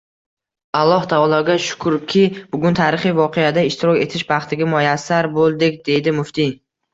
Alloh taologa shukrki, bugun tarixiy voqeada ishtirok etish baxtiga muyassar bo‘ldik, – deydi muftiy